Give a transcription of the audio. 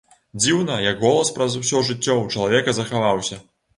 Дзіўна, як голас праз усё жыццё ў чалавека захаваўся.